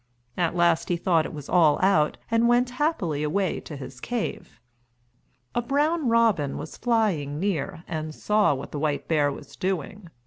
At last he thought it was all out and went happily away to his cave. A brown robin was flying near and saw what the white bear was doing.